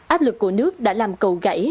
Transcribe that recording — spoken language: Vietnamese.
áp lực của nước đã làm cầu gãy